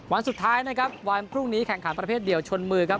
วันสุดท้ายนะครับวันพรุ่งนี้แข่งขันประเภทเดียวชนมือครับ